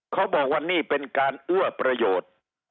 เขาบอกว่านี่เป็นการเอื้อประโยชน์